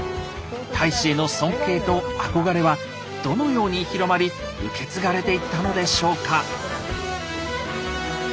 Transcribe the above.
太子への尊敬と憧れはどのように広まり受け継がれていったのでしょうか？